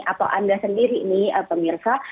atau anda sendiri nih pemirsa